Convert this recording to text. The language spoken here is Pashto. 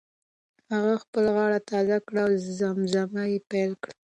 هغه خپله غاړه تازه کړه او زمزمه یې پیل کړه.